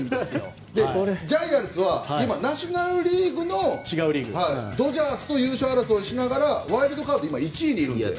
ジャイアンツはナショナル・リーグのドジャースと優勝争いしながらワイルドカード今、１位にいるので。